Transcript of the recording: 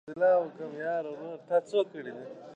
د ملالۍ لنډۍ به په هر ځای کې اورېدلې کېدلې.